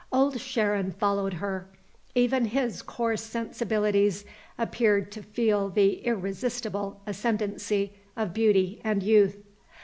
Old Sharon followed her. Even his coarse sensibilities appeared to feel the irresistible ascendancy of beauty and youth.